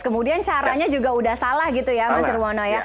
kemudian caranya juga udah salah gitu ya mas irwono ya